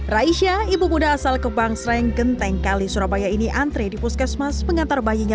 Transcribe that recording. raisya ibu muda asal kebangsreng genteng kali surabaya ini antre di puskesmas mengantar bayinya